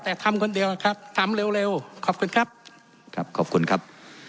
แต่ทำคนเดียวนะครับทำเร็วเร็วขอบคุณครับครับขอบคุณครับ